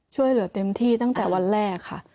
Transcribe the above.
ช่วยเหลือเต็มที่ตั้งแต่วันแรกค่ะ